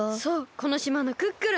この島のクックルン！